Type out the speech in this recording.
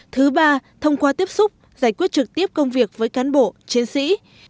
thứ ba thông qua tiếp xúc giải quyết trực tiếp công việc với cán bộ chiến sĩ